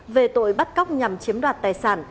về tội bắt cóc nhằm chiếm đoạt tài sản